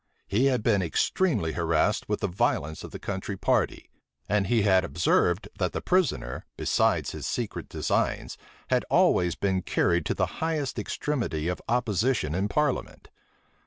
He had been extremely harassed with the violence of the country party; and he had observed, that the prisoner, besides his secret designs, had always been carried to the highest extremity of opposition in parliament.